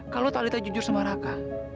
kalau talita jujur sama raka